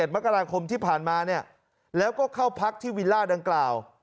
มกราคมที่ผ่านมาเนี่ยแล้วก็เข้าพักที่วิลล่าดังกล่าว